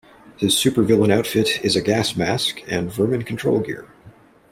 His supervillain outfit is a gas mask and vermin control gear.